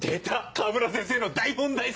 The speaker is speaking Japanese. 河村先生の大問題作！